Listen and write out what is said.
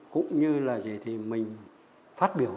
cũng như là gì thì mình phát biểu